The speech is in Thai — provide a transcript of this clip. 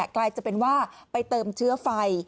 กลายเป็นว่าไปเติมเชื้อไฟ